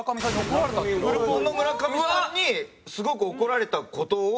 フルポンの村上さんにすごく怒られた事を。